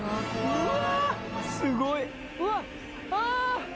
うわ。